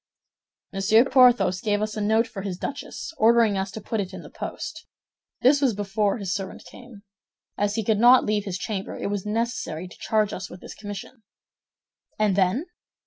"Monsieur Porthos gave us a note for his duchess, ordering us to put it in the post. This was before his servant came. As he could not leave his chamber, it was necessary to charge us with this commission." "And then?"